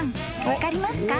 分かりますか？